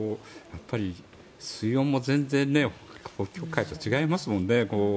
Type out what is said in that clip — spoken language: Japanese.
やっぱり水温も北極海と違いますよね。